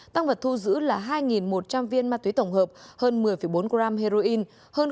tăng vật thu giữ là hai một trăm linh viên ma túy tổng hợp hơn một mươi bốn gram heroin